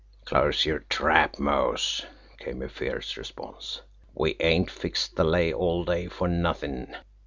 "Close yer trap, Mose!" came a fierce response. "We ain't fixed the lay all day for nothin'.